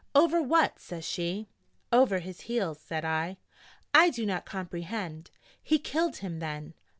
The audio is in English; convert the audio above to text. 'Over what?' says she. 'Over his heels,' said I. 'I do not complehend!' 'He killed him, then.'